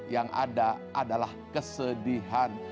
yang ada adalah kesedihan